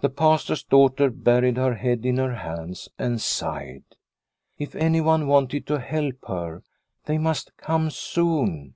The Pastor's daughter buried her head in her hands and sighed. If anyone wanted to help her, they must come soon.